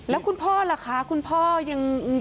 แล้วคุณพ่อล่ะคะคุณพ่อยัง